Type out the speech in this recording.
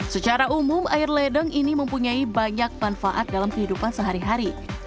secara umum air ledeng ini mempunyai banyak manfaat dalam kehidupan sehari hari